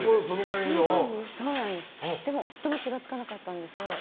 でも夫も気が付かなかったんですよ。